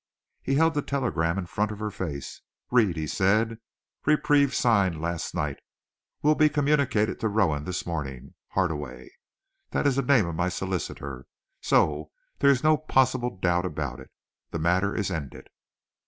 He held the telegram in front of her face. "Read," he said. "'Reprieve signed last night. Will be communicated to Rowan this morning. Hardaway.' That is the name of my solicitor, so there is no possible doubt about it. The matter is ended."